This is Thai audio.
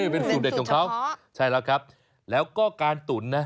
เป็นสูตรเด็ดของเขาใช่แล้วครับแล้วก็การตุ๋นนะ